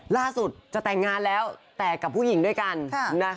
ล่าสุดจะแต่งงานแล้วแต่กับผู้หญิงด้วยกัน